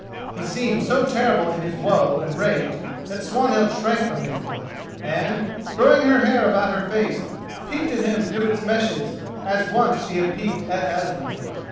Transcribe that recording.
He seemed so terrible in his woe and rage that Swanhild shrank from him, and, throwing her hair about her face, peeped at him through its meshes as once she had peeped at Asmund.